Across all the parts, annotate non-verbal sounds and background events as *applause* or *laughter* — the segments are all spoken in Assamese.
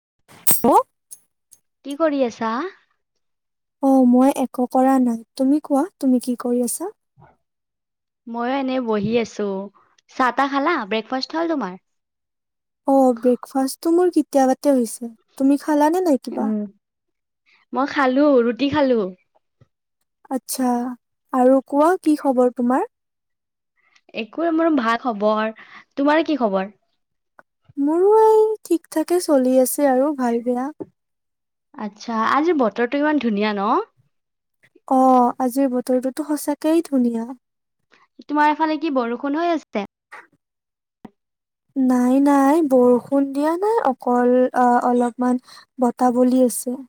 *unintelligible* কি কৰি আছা? অ মই একো কৰা নাই তুমি কোৱা তুমি কি কৰি আছা? মইো এনেই বহি আছো চাহ তাহ খালা ব্ৰেকফাষ্ট হল তোমাৰ? অ ব্ৰেকফাষ্ট তটো মোৰ কেতিয়া পাতে হৈছে তুমি? খালা নে নাই কিবা? উম, মই খালো ৰুটি খালো। আচ্ছা আৰু কোৱা কি খবৰ তোমাৰ? একো মোৰ ভাল খবৰ তোমাৰ কি খবৰ? মোৰো এই ঠিক থাকে চলি আছে আৰু ভাল বেয়া। আচ্ছা আজি বতৰটো ইমান ধুনীয়া ন? অ আজিৰ বতৰটোতো সঁচাকয় ধুনীয়া। তোমাৰ এফালে কি বৰষুণ হৈ আছে? নাই নাই বৰষুণ দিয়া নাই অকল অলপমান বত বলি আছে।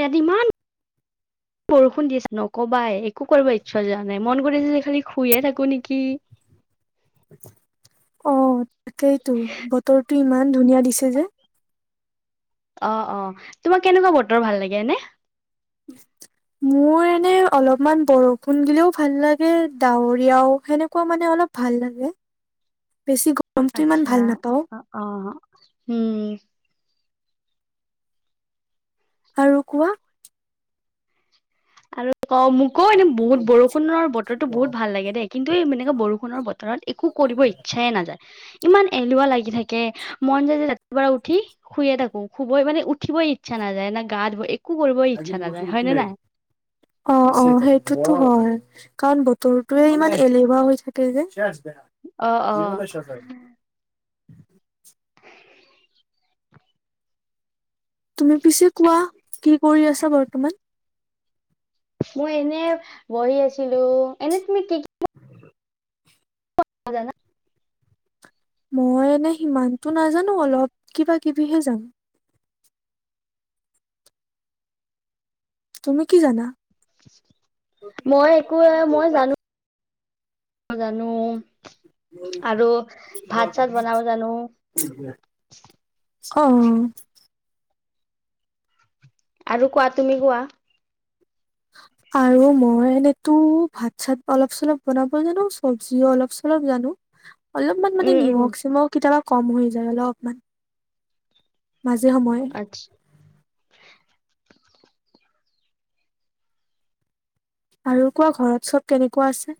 ইয়াত ইমান বৰষুণ দি আছে নকবাই একো কৰিব ইচ্ছা যোৱা নাই মন কৰি আছে যে খালি শুইে থাকো নেকি। অ'। তাকেইতো বতৰটো ইমান ধুনীয়া দিছে যে অ অ তোমাক কেনেকুৱা বতৰ ভাল লাগেনে? মোৰ এনে অলপমান বৰষুণ গিলেও ভাল লাগে ডাৱৰীয়াও সেনেকুৱা মানে অলপ ভাল লাগে বেছি গৰমটো ইমান আচ্ছা ভাল নাপাওঁ আহ, উম'। আৰু কোৱা? আৰু অ মোকো এনে বহুত বৰষুণৰ বতৰো বহুত ভাল লাগে দেই কিন্তু এই এনেকে বৰষুণৰ বতৰত একো কৰিব ইচ্ছাই নাযায় ইমান এলুৱা লাগি থাকে মন যায় যে ৰাতিপুৱা উঠি শুয়ে থাকো শুবই মানে উঠিবই ইচ্ছা নাযায় না গা ধু একো কৰিবই ইচ্ছা নাযায় হয় নে নাই। অ', অ, সেইটোতো হয় কাৰণ তোৰটোৱে ইমান এলেহুৱা হৈছে থাকে অ অ যে *unintelligible* উ। তুমি পিছে কোৱা কি কৰি আছা বৰ্তমান? মই এনে বহি আছো। ছিলো এনেই তুমি কি কি? *unintelligible* মই এনে সিমানতো নাজানো অলপ কিবা কিবিহে জানো। তুমি কি জানা? মই একো মই জানো। জানো আৰু ভাত চাত বনাব জানো অ' আৰু কোৱা তুমি কোৱা। আৰু মই এনেতো ভাত চাত অলপ চলপ বনাব জানো চবজিও অলপ চলপ জানো। অলপমান মানে উম উম নিমখ মই কেতিয়াবা কম হৈ যায় অলপমান। মাজে সময়ে আচ্ছা আৰু কোৱা ঘৰত সব কেনেকুৱা আছে।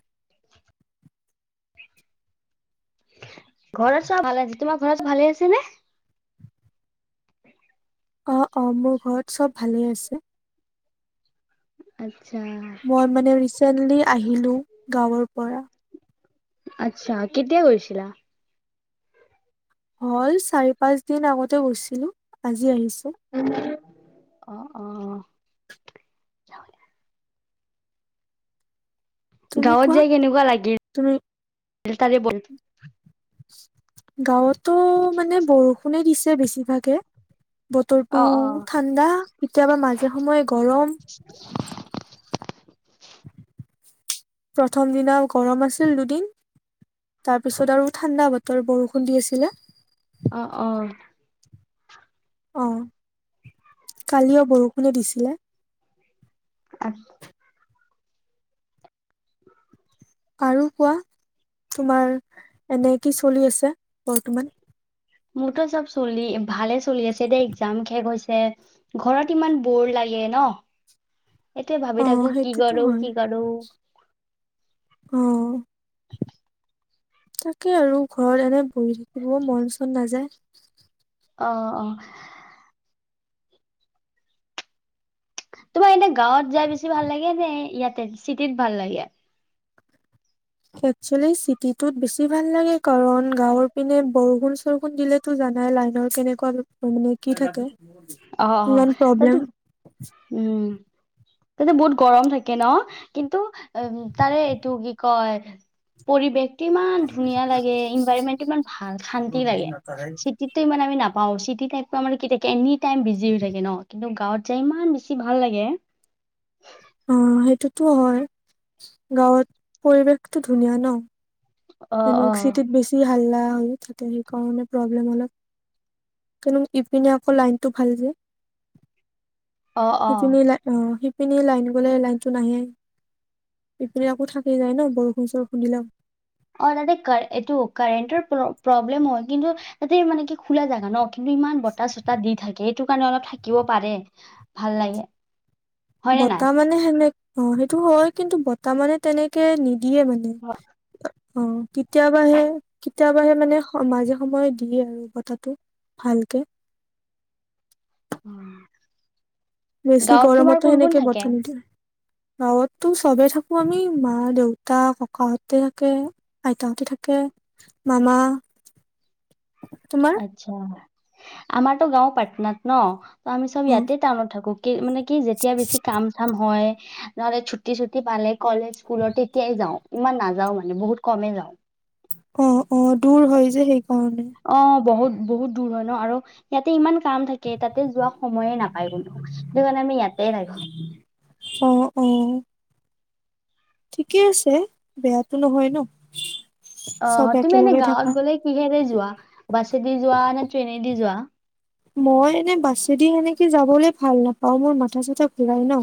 ঘৰত চব ভালে আছে তোমাৰ ঘৰ চ ভালে আছে নে? অ' অ' মোৰ ঘৰত চব ভালেই আছে আ মই মানে, চনলি আহিলোঁ গাঁৱৰ পৰা আচ্ছা কেতিয়া গৈছিলা? হল চাৰি পাঁচ দিন আগতে গৈছিলো আজি আহিছো। উম। অ' অ' তুমি গাঁৱত কোৱা যায় কেনেকুৱা তুমি লাগিল? তাৰে বৰ গাঁৱত টো মানে বৰষুণে দিছ ছে বেছিভাগে। অ বতৰটো অ ঠাণ্ডা, কেতিয়াবা মাজে সময়ে গৰম। প্ৰথম দিনা গৰম আছিল দুদিন তাৰপিছত আৰু ঠাণ্ডা বতৰ বৰষুণ দি আছিলে। অ', অ'। অ', কালিও বৰষুণে দিছিলে। *inaudible* আৰু কোৱা, তোমাৰ এনে কি চলি আছে বৰ্তমান? মোৰতটো চব চলি ভালে চলি আছে দে এক্জাম শেষ হৈছে, ঘৰত ইমান বোৰ লাগে ন'। সেইটোৱে অ ভাবি থাকো কি সেইটোতো কৰোঁ, হয় কি কৰোঁ। তাকেই আৰু ঘৰত এনে বহি থাকিবও মন চন নাযায়। অ', অ'। তোমাৰ এনে গাঁৱত যায় বেছি ভাল লাগে, নে ইয়াতে চিটিত ভাল লাগে? একচুৱেলি চিটিটোত বেছি ভাল লাগে, কাৰণ গাঁৱৰ পিনে বৰষুণ-চৰষুণ দিলেতো জানাই লাইনৰ কেনেকুৱা মানে কি থাকে। অ', অ', ইমান প্ৰব্লেম এটো উম। তাতে বহুত গৰম থাকে ন' কিন্তু *unintelligible* তাৰে এইটো কি কয় পৰিৱেশ টো ইমান ধুনীয়া লাগে, ইনভাইৰমেন্টটো ইমান ভাল, শান্তি লাগে। চিটিতটো ইমান আমি নাপ পাওঁ চিটিতে *unintelligible* কি থাকে, এনি টাইম বিজি হৈ থাকে ন' কিন্তু গাঁৱত যায় ইমান বেছি ভাল লাগে। অ', হেইটোতো হয়। গাঁৱত পৰিৱেশটো ধুনীয়া ন'। অ', *unintelligible* অ'। চিটিত বেছি হাল্লা। *unintelligible* থাকে সেইকাৰণে প্ৰব্লেম অলপ, কিন্তু ইপিনে আকৌ লাইনটো ভাল যে। অ', অ', ইপিনে লা *unintelligible* অ', *unintelligible* ইপিনে লাইন গ'লে লাইনটো নাহেই, এইপিনে আকৌ থাকেই যায় ন' বৰষুণ-চৰষুণ দিলেও। অ', তাতে কাৰে এইটো কাৰেণ্টৰ প্ৰব্লেম হয়, কিন্তু ইয়াতে মানে কি খোলা জাগা ন'। কিন্তু ইমান বতাহ-চতাহ দি থাকে। সেইটো কাৰণে অলপ থাকিব পাৰে ভাল লাগে। হয়নে নাই? বতাহ মানে সেনেক অ' সেইটো হয়, কিন্তু বতাহ মানে তেনেকে নি দিয়ে মানে অ' কেতিয়াবাহে কেতিয়াবাহে মানে মাজে সময়ে দিয়ে আৰু বতাহটো ভালকে। উম। বেছি গৰমত সেনেকে বতাহ নিদিয়ে। গাঁৱতো চবেই থাকো আমি, মা, দেউতা, ককাহঁতে থাকে, আইতাহতে থাকে, মামা তোমাৰ আচ্ছা। আমাৰতো গাঁও পাটনাত ন। ত আমি সব অ ইয়াতে টাউনত থাকো। কি মানে কি যেতিয়া বেছি কাম চাম হয় নহ'লে ছুটি ছুটি পালে। কলেজ, স্কুলত তেতিয়াই যাওঁ। ইমান নাযাও মানে বহুত কমেই যাওঁ। অ'। অ' দূৰ হয় যে সেইকাৰণে। অ বহুত বহুত দূৰ হয় ন আৰু ইয়াতে ইমান কাম থাকে, তাতে যোৱা সময়ে নাপায় কোনো সেই কাৰণে আমি ইয়াতে লাগো অ' অ'। ঠিকেই আছে বেয়াটো নহয় ন। চব অ' তুমি এনে একেলগে গাঁৱত থাকা গ'লে কিহেতে যোৱা বাছেদি যোৱা নে ট্ৰেইনে? দি যোৱা। মই এনে বাছেদি সেনেকে যাবলৈ ভাল নাপাও মোৰ মাথা চাথা ঘূৰাই ন।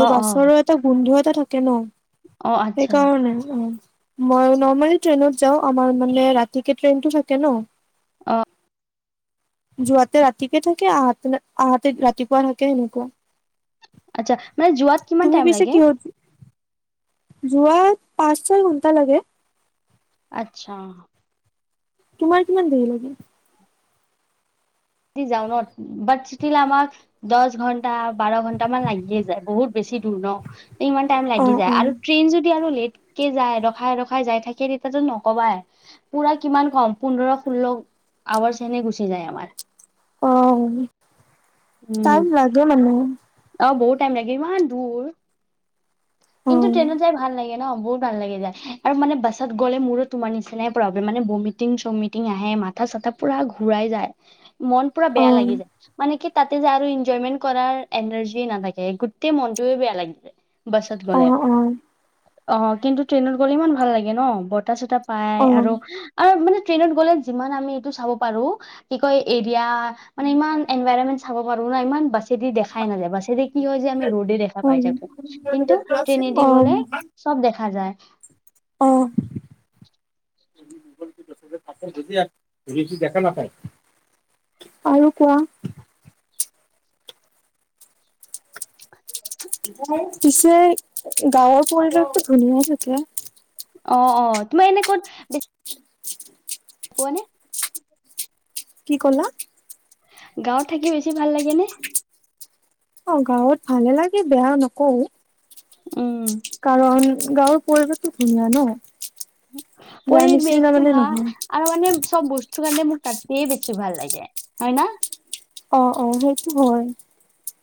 অ অ বাছৰৰ এটা গোন্ধ এ থাকে ন অ সেই আচ্ছা কাৰণে অ মই নৰ্মেলি ট্ৰেইনত যাওঁ আমাৰ মানে ৰাতিকে ট্ৰেইনটো থাকে ন অ যোৱাতে ৰাতিকে থাকে আহাতে আহাতে ৰাতিপুৱা থাকে সেনেকুৱা আছা মানে যোৱাত কিমান তুমি টাইম লাগে যোৱাত পাঁচ ছয় ঘন্টা লাগে আতচ্ছা তোমাৰ কিমান দেৰি লাগে যাওঁ ন বাট চিটিলে আমাক দচ ঘন্টা বাৰ ঘন্টামান লাগিয়ে যায় বহুত বেছি দূৰ ন ইমান টাইম অ লাগি যায় অ আৰু ট্ৰেইন য যদি আৰু লেটকে যায় ৰখাই ৰখাই যাই থাকে তেতিয়াতো নকবাই পুৰা কিমান কম পোন্ধৰ ষোল্ল আৱাৰ্চ এনে গুচি যায় আমাৰ অ উম টাইম লাগে মানে অ বহুত টাইম লাগে ইমান দূৰ অ কিন্তু ট্ৰেইনত যাই ভাল লাগে ন বহুত ভাল লাগে যায় আৰু মানে বাছত গ'লে মোৰো তোমাৰ নিচিনাই প্ৰব্লেম মানে ভমিটিং চমিটিং আহে মাথা চাথা পুৰা ঘূৰাই যায় মন পুৰা অ বেয়া লাগি যায় মানে কি তাতে যে আৰু এনজয়মেন্ট কৰাৰ এনাৰ্জি নাথাকে গোটেই মনটোৱে বেয়া লাগি *unintelligible* অ', কিন্তু ট্ৰেইনত গ'লে ইমান ভাল লাগে ন' বতাহ চতা পাই অ আৰু আৰু মানে ট্ৰইনত গ'লে যিমান আমিটো চাব পাৰ কি কয় এৰিয়া মানে ইমান এনভায়ৰমেন্ট চাব পাৰোঁ না ইমান বাছ ছেদি দেখাই নাযায় বাছেদি কি হয় যে আমি ৰ'ডে দেখা অ পাই থাকোঁ। কিন্তু ট্ৰেনে এদি অ গ'লে চব দেখা যায়। যে দেখা নাপায় আৰু কোৱা। পিছে গাঁৱৰ পৰিৱেশটোত *unintelligible* অ', অ', তোমাৰ এনে ক'ত বে পোৱানে? কি ক'লা? গাঁৱত থাকি বেছি ভাল লাগে নে? অ', গাঁৱত ভালে লাগে, বেয়া নকওঁ। উম। কাৰণ গাঁৱৰ পৰিৱেশটো ধুনীয়া ন'। ইয়াৰ নিচিনা পৰিৱেশটো মানে ভাল নহয় আৰু মানে চব বস্ টোৰ মোক তাতেই বেছি ভাল লাগে, হয় ন'। অ', অ', সেইটো হয়।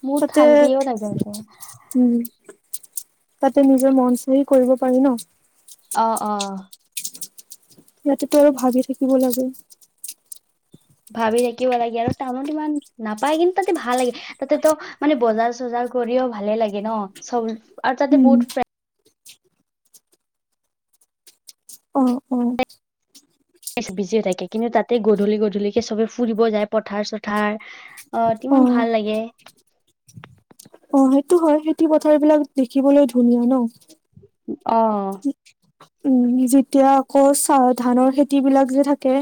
বহুত তাতে, শান্তিও থাকে তাতে। উম। তাতে নিজৰ মন চহি কৰিব পাৰি ন'। অ', অ'। ইয়াতেটো আৰু ভাগি থাকিব লাগে। ভাবি থাকিব লাগে আৰু টাউনত ইমান নাপায় কিন্তু তাতে ভাল লাগে, তাতেটো মানে বজাৰ চজাৰ কৰিও ভালে লাগে ন' চব আৰু তাতে উম বহুত ফ্ৰে অ অ বিজি হৈ থাকে, কিন্তু তাতে গধূলি গধূলিকে চবে ফুৰিব যায়, পথাৰ চথাৰ আহ, অ কিমান ভাল লাগে। অ' সেইটো হয় খেতি পথাৰ বিলাক দেখিবলৈ ধুনীয়া ন। অ'। উম, যেতিয়া আকৌ চাহ ধানৰ খেতি বিলাক যে থাকে।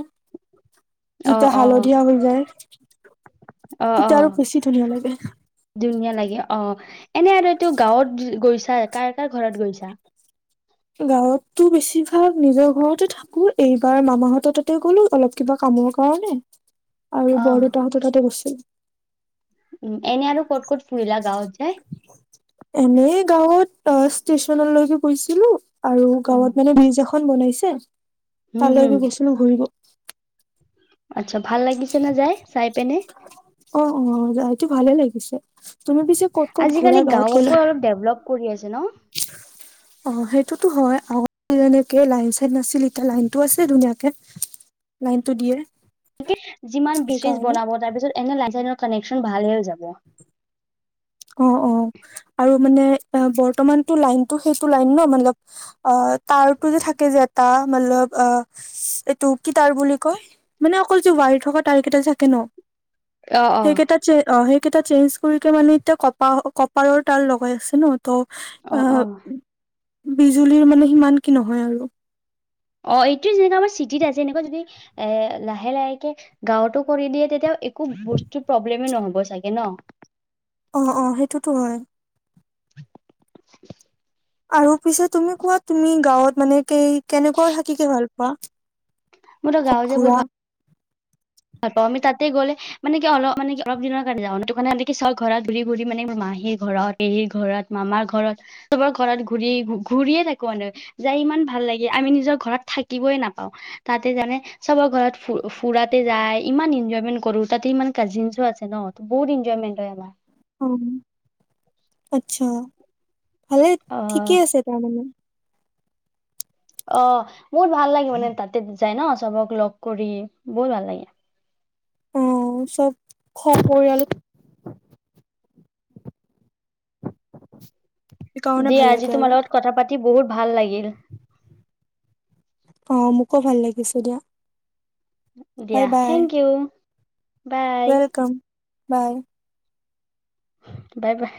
অ যেতিয়া অ হালধীয়া হৈ যায়, অ অ তেতিয়া আৰু বেছি ধুনীয়া লাগে। ধুনীয়া লাগে অ এনে আৰুতটো গাঁৱত গৈছ চ কাৰ কাৰ ঘৰত গৈছা? গাঁৱততটো বেছিভাগ নিজৰ ঘৰতে থাকো, এইবাৰ মামাহঁত তাতে গলো অলপ কিবা কামৰ কাৰণে। আৰু অ বৰদেউতাহঁত তাতে গৈছিলো। উম, এনে আৰু ক'ত ক'ত ফুৰিলা গাঁৱত? যাই এনেই গা অই ত ষ্টেচনলৈকে গৈছিলো। আৰু অ গাঁৱত মানে ব্ৰিজ এখন এখন বনাইছে। হম হম তালৈকো গৈছিলো ঘূৰিব আচ্ছা, ভাল লাগিছে না যাই চাই পেনে? টো ভালে লাগিছে। তুমি পিছে ক'ত ক'ত ঘূৰা আজিকালি গাঁৱত গ'লে গাঁওকো অলপ ডেভলপ কৰি আছে হেল্ল' অ, সেইটোতো হয়, *unintelligible* যেনেকে লাইন চাইন নাছিল, এতিয়া লাইনটো আছে ধুনীয়াকে, লাইনটো দিয়ে। যিমান বিজ চিজ সেইকাৰণে বনাব, তাৰপিছত এনে *unintelligible* কানেকচন ভাল হৈ যায়। অ, অ। আৰু মানে অ, বৰ্তমানটো লাইনটো সেইটো লাইন ন মানে অ তাৰটো যে থাকে যে এটা মলব অ', এইটো কি তাৰ বুলি কয় মানে অকল যে ৱায়াৰ থকা তাৰ কেইটা যে থাকে ন'। অ'। সেইকেইটা চে অ' সেই কেইটা চেঞ্জ কৰিকে মানে এতিয়া কপা কপাৰৰ তাৰ লগাই আছে ন। তো অ', আহ অ', বিজুলীৰ মানে সিমান কি নহয় আৰু অ' এইটোৱে যেনেকে আমাৰ চিটিত আছে, এনেকুৱা যদি এ লাহে লাহেকে গাওঁতো কৰি দিয়ে। তেতিয়া একো বস্তুৰ প্ৰব্লেমেই নহ'ব চাগে ন? অ' অ' সেইটোতো হয়৷ *unintelligible* আৰু পিছে তুমি কোৱা, তুমি গাওঁত মানে কেই কেনেকুৱা থাকিকে ভাল পোৱা? মোৰ তো ক'ত গাঁৱ যে ঘূৰা বহুত ভাল ভাল পাওঁ। আমি তাতে গ'লে মানে কি অলপ মানে কি অলপ দিনৰ কাৰণে যাওঁ৷সিটো কাৰণে চ'ব ঘৰত ঘূৰি ঘূৰি মানে মাহীৰ ঘৰত, পেহীৰ ঘৰত, মামাৰ ঘৰত চবৰ ঘৰত ঘুৰিয়ে ঘুৰিয়ে থাকোঁ৷ মানে যাই ইমান ভাল লাগে৷ আমি নিজৰ ঘৰত থাকিবই নাপাওঁ৷ তাতে জানে চবৰ ঘৰত ফুৰ ফুৰা তাতে যায় ইমান ইনঞ্চয়মেণ্ট কৰোঁ, তাতে ইমান কাজিনছো আছে ন? বহুত এনঞ্চয়মেন্ট হয় আমাৰ৷ অ' আচ্ছা ভালে৷ অ ঠিকেই আছে তাৰমানে অ' বহুত ভাল লাগে মানে তাতে যায় ন চবক লগ কৰি বহুত ভাল লাগে। আহ চ'ব খৰ পৰিয়াল *inaudible* সেইকাৰণে ভাল দিয়া আজি লাগে আৰু তোমাৰ লগত কথা পাত তি বহুত ভাল লাগ গিল অ মোকো ভাল লাগিছে দিয়া৷ বাই দিয়া bye thank you bye welcome bye bye বাহ